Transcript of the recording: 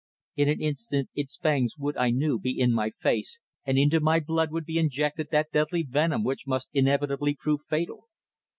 In an instant its fangs would, I knew, be in my face, and into my blood would be injected that deadly venom which must inevitably prove fatal.